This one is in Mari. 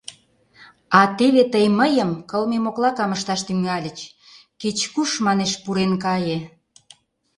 А теве тый мыйым кылме моклакам ышташ тӱҥальыч, кеч-куш, манеш, пурен кае.